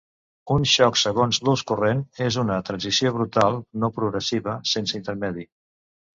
Un xoc segons l'ús corrent, és una transició brutal, no progressiva, sense intermedi.